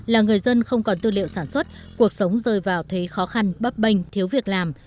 là người dân không còn tư liệu sản xuất cuộc sống rơi vào thế khó khăn bấp bênh thiếu việc làm